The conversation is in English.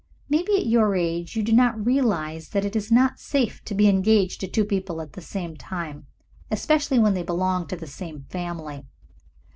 Maybe at your age you do not realize that it is not safe to be engaged to two people at the same time, especially when they belong to the same family.